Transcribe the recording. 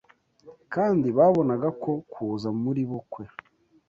kandi babonaga ko kuza muribo kwe